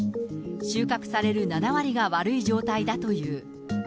収穫される７割が悪い状態だという。